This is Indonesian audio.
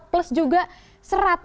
plus juga serat